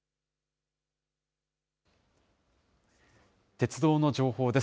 鉄道の情報です。